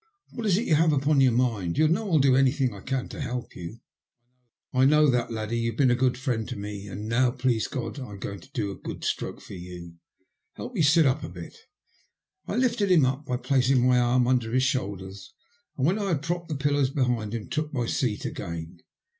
''What is it you have upon your mind ? You know I'll do any thing I can to help you." " I know that, laddie. You've been a good friend to me, an' now, please God, I'm going to do a good stroke for you. Help me to sit up a bit." I lifted him up by placing my arm under his shoulders, and, when I had propped the pillows behind him, took my seat again.